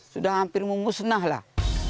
sudah hampir mengusnah lah